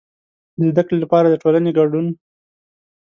د زده کړې لپاره د ټولنې کډون.